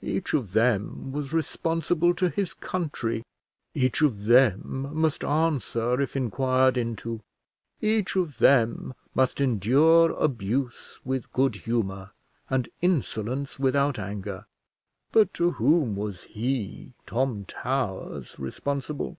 Each of them was responsible to his country, each of them must answer if inquired into, each of them must endure abuse with good humour, and insolence without anger. But to whom was he, Tom Towers, responsible?